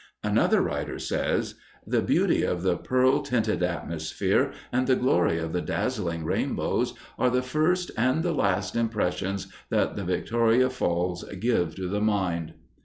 Another writer says: "The beauty of the pearl tinted atmosphere, and the glory of the dazzling rainbows, are the first and the last impressions that the Victoria Falls give to the mind."